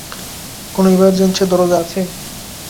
কোন ইমারজেন্সি দরজা আছে?